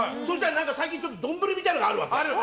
最近、丼みたいなのがあるわけ。